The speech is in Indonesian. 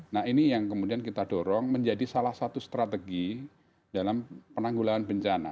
nah ini yang kemudian kita dorong menjadi salah satu strategi dalam penanggulangan bencana